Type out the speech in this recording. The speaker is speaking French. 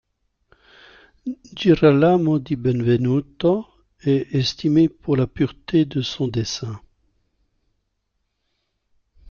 Girolamo di Benvenuto est estimé pour la pureté de son dessin.